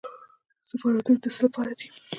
سفارتونه د څه لپاره دي؟